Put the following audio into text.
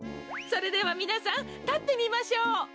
それではみなさんたってみましょう。